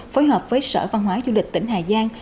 phối hợp với sở văn hóa du lịch tỉnh hà giang